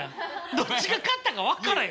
どっちが勝ったか分からん。